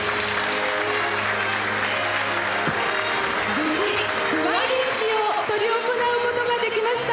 無事、くわいれ式を執り行うことができました。